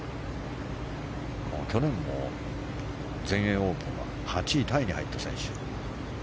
去年も全英オープンは８位タイに入った選手。